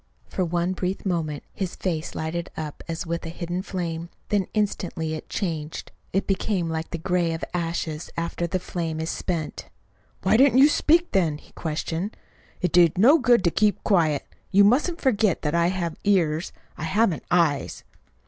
For one brief moment his face lighted up as with a hidden flame; then instantly it changed. It became like the gray of ashes after the flame is spent. "Why didn't you speak, then?" he questioned. "It did no good to keep quiet. You mustn't forget that I have ears if I haven't eyes."